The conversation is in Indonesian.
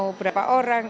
mau berapa orang